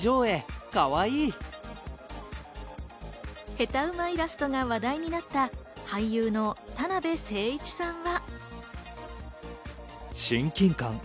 ヘタウマイラストが話題になった俳優の田辺誠一さんは。